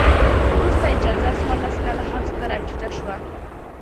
وروسته یې جزا څوارلس کاله حبس ته راټیټه شوه.